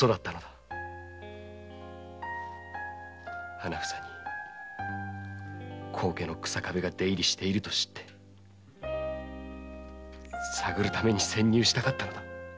『花房』に高家の日下部が出入りしていると知って探るために潜入したかったのだ。